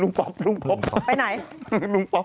ลุ้งพบโทษทีลุ้งป๊อบ